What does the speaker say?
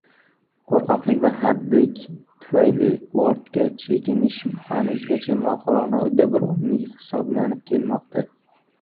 Qo‘rqoqlik va hadik tufayli ortga chekinish hanuzgacha mohirona uddaburonlik hisoblanyb kelmoqda.